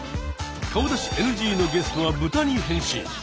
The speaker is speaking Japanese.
顔出しＮＧのゲストはブタに変身。